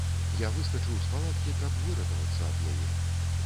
Я выскачыў з палаткі, каб выратавацца ад яе.